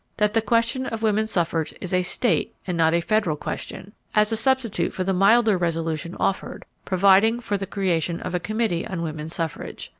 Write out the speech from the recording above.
. that the question of woman suffrage is a state and not a federal question," as a substitute for the milder resolution offered, providing for the creation of a committee on woman suffrage.